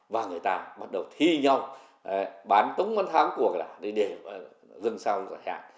và người ta bắt đầu thi nhau bán tống bán tháng cuộc là để dâng sao giải hạn